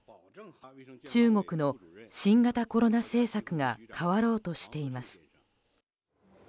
中国の新型コロナ政策が変わろうとしています。